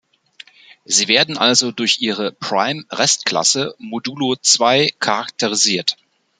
Sie werden also durch ihre prime Restklasse modulo Zwei charakterisiert.